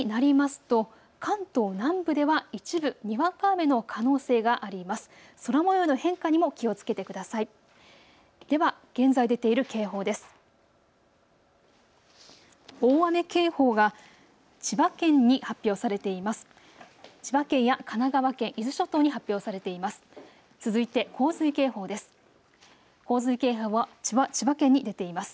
大雨警報が千葉県に発表されています。